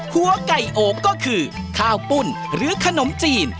หัวไก่โอบก็คือข้าวปุ้นหรือขนมจีน